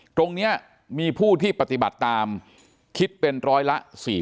ตรงนี้มีผู้ที่ปฏิบัติตามคิดเป็นร้อยละ๔๐